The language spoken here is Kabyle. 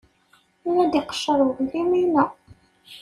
La d-iqeccer uglim-inu.